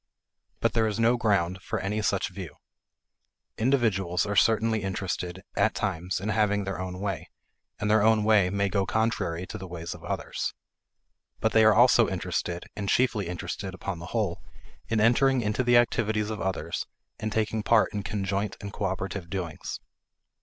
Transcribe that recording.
But there is no ground for any such view. Individuals are certainly interested, at times, in having their own way, and their own way may go contrary to the ways of others. But they are also interested, and chiefly interested upon the whole, in entering into the activities of others and taking part in conjoint and cooperative doings.